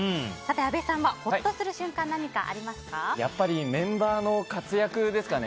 阿部さんは、ほっとする瞬間何かありますか？